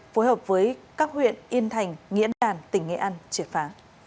phối hợp với các huyện yên thành nghĩa đàn tỉnh nghệ an triệt phá